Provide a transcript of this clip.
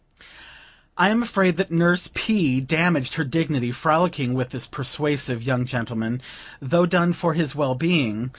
I am afraid that Nurse P. damaged her dignity, frolicking with this persuasive young gentleman, though done for his well being.